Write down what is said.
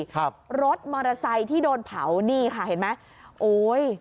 ครับรถมอเตอร์ไซค์ที่โดนเผานี่ค่ะเห็นไหมโอ้ย